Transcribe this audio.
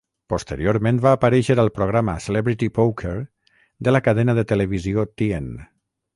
Posteriorment va aparèixer al programa Celebrity Poker de la cadena de televisió Tien.